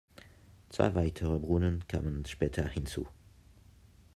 Zwei weitere Brunnen kamen später hinzu.